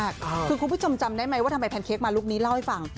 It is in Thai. คุณผู้ชมจำได้ไหมว่าเพราะการมาแล้วกัน